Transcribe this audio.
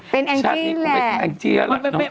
เป็นแองจี้แหละ